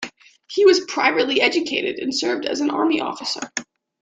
He was privately educated and served as an army officer.